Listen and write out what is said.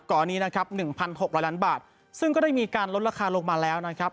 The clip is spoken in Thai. ก่อนนี้นะครับ๑๖๐๐ล้านบาทซึ่งก็ได้มีการลดราคาลงมาแล้วนะครับ